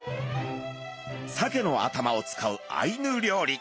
サケの頭を使うアイヌ料理。